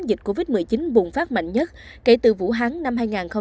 dịch covid một mươi chín bùng phát mạnh nhất kể từ vũ hán năm hai nghìn hai mươi